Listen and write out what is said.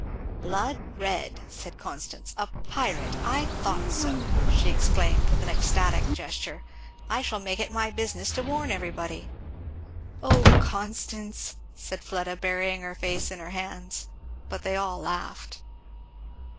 "Blood red!" said Constance. "A pirate! I thought so," she exclaimed, with an ecstatic gesture. "I shall make it my business to warn everybody!" "Oh Constance!" said Fleda, burying her face in her hands. But they all laughed.